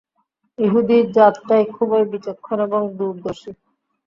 ইহুদী জাতটাই খুবই বিচক্ষণ এবং দূরদর্শী।